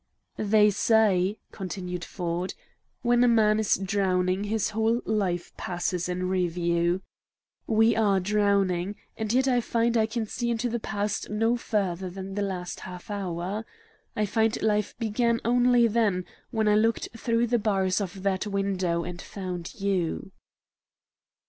"They say," continued Ford, "when a man is drowning his whole life passes in review. We are drowning, and yet I find I can see into the past no further than the last half hour. I find life began only then, when I looked through the bars of that window and found YOU!"